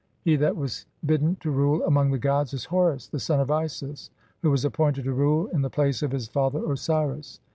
He that was bidden to rule among the gods is [Horus] the son of Isis, who was appointed to rule in the place of his father (49) Osiris.